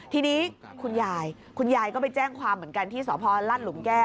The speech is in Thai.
ทีนี้คุณยายคุณยายก็ไปแจ้งความเหมือนกันที่สพลาดหลุมแก้ว